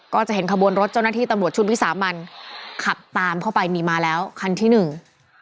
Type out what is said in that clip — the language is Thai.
ก็จะเห็นขบวนรถเจ้าหน้าที่ตำรวจชุดวิสามันขับตามเข้าไปนี่มาแล้วคันที่หนึ่ง